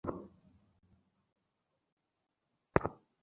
আমার এই সম্বন্ধে মত নেই।